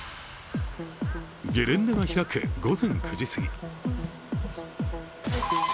ゲレンデが開く午前９時すぎ。